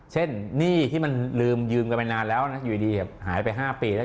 เช่นหนี้ที่มันลืมยืมไปนานแล้วนะหายไป๕ปีแล้ว